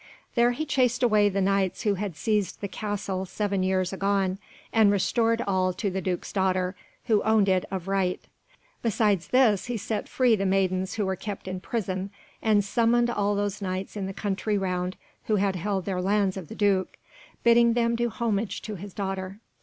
There he chased away the Knights who had seized the castle seven years agone, and restored all to the Duke's daughter, who owned it of right. Besides this he set free the maidens who were kept in prison, and summoned all those Knights in the country round who had held their lands of the Duke, bidding them do homage to his daughter.